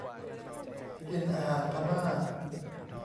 กินอาหารพม่า